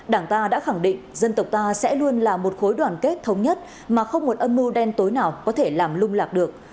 đảng ta đã khẳng định dân tộc ta sẽ luôn là một khối đoàn kết thống nhất mà không một âm mưu đen tối nào có thể làm lung lạc được